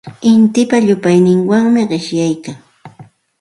Lintipa llupayninwanmi qishyaykan.